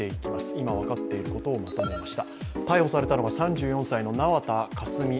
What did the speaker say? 今分かっていることをまとめました。